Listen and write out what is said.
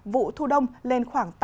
vụ thu đông lên khoảng tám trăm linh ha